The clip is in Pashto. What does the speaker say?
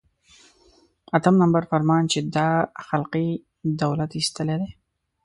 اتم نمبر فرمان چې دا خلقي دولت ایستلی دی.